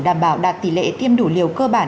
đảm bảo đạt tỷ lệ tiêm đủ liều cơ bản